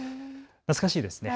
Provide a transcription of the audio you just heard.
懐かしいですね。